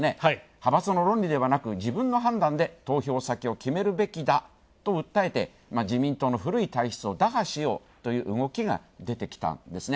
派閥の論理ではなく、自分の判断で投票先を決めるべきだと訴えて、自民党の古い体質を打破しようという動きが出てきたんですね。